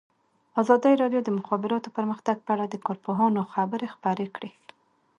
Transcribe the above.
ازادي راډیو د د مخابراتو پرمختګ په اړه د کارپوهانو خبرې خپرې کړي.